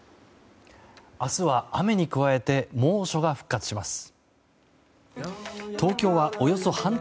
明日は雨に加えて猛暑が復活します。